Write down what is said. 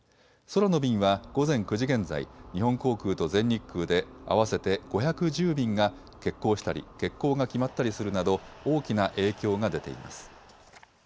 空の便は午前９時現在、日本航空と全日空で合わせて５１０便が欠航したり欠航が決まったりするなど大きな影響が出ています。